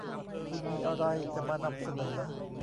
คุณมีอะไรจะมานำเสนอ